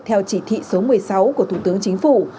theo chỉ thị số một mươi sáu của thủ tướng chính phủ